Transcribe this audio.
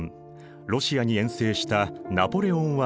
ロシアに遠征したナポレオンは敗退。